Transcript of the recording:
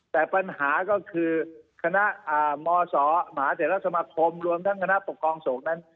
แต่ปัญหาก็คือคณะมศหมาเศรษฐรรมคมรวมทั้งคณะปกครองศูนย์นั้น